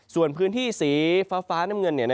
ส่วนพื้นที่สีฟ้าน้ำเงิน